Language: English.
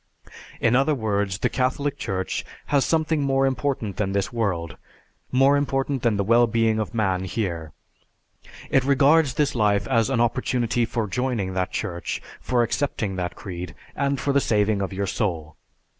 In other words, the Catholic Church has something more important than this world, more important than the well being of man here. It regards this life as an opportunity for joining that Church, for accepting that creed, and for the saving of your soul.